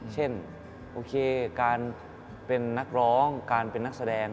เช่นโอเคการเป็นนักร้องการเป็นนักแสดง